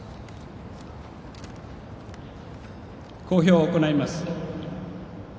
講評を行います。